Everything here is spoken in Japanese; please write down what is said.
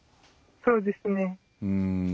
そうですね。